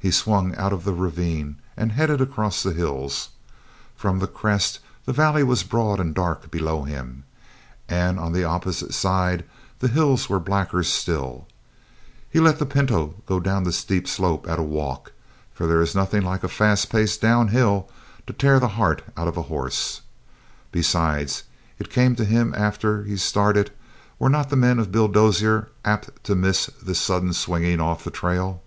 He swung out of the ravine and headed across the hills. From the crest the valley was broad and dark below him, and on the opposite side the hills were blacker still. He let the pinto go down the steep slope at a walk, for there is nothing like a fast pace downhill to tear the heart out of a horse. Besides, it came to him after he started, were not the men of Bill Dozier apt to miss this sudden swinging of the trail?